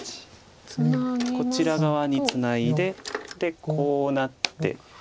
こちら側にツナいででこうなって。